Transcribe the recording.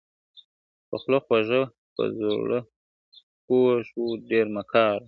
په خوله خوږ وو په زړه کوږ وو ډېر مکار وو `